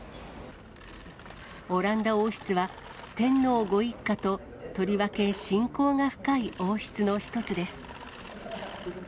オランダ王室は、天皇ご一家ととりわけ親交が深い王室の一つです。